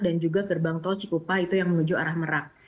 dan juga gerbang tol cikupa itu yang menuju arah merak